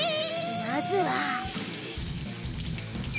まずは。